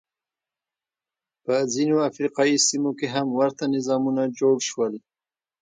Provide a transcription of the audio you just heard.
په ځینو افریقايي سیمو کې هم ورته نظامونه جوړ شول.